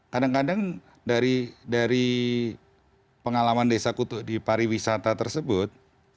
kadang kadang dari pengalaman desa kutub di pariwisata tersebut